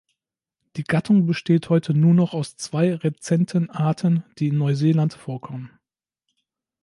Die Gattung besteht heute nur noch aus zwei rezenten Arten, die in Neuseeland vorkommen.